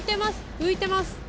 浮いてます